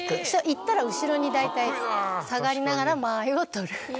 行ったら後ろに大体下がりながら間合いを取る。